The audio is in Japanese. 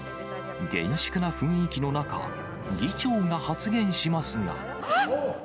厳粛な雰囲気の中、議長が発言しますが。